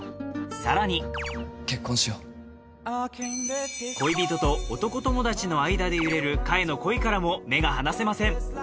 更に結婚しよう恋人と男友達の間で揺れるかえの恋からも目が離せません